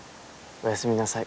おやすみなさい。